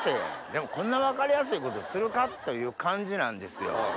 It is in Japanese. でもこんな分かりやすいことするか？という感じなんですよ。